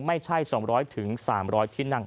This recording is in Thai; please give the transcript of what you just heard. ไม่ใช่๒๐๐๓๐๐ที่นั่ง